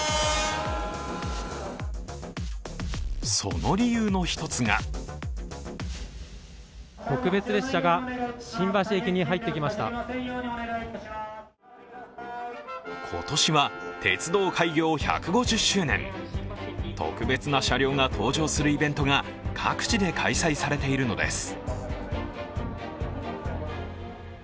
その理由の一つが今年は鉄道開業１５０周年、特別な車両が登場するイベントが各地で開催されているのです。